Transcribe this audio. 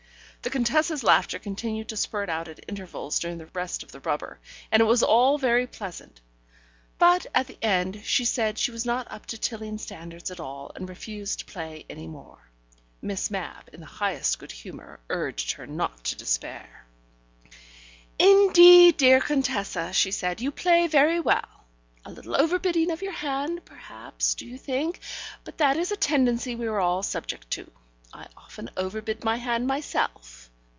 The Contessa's laughter continued to spurt out at intervals during the rest of the rubber, and it was all very pleasant; but at the end she said she was not up to Tilling standards at all, and refused to play any more. Miss Mapp, in the highest good humour urged her not to despair. "Indeed, dear Contessa," she said, "you play very well. A little overbidding of your hand, perhaps, do you think? but that is a tendency we are all subject to: I often overbid my hand myself.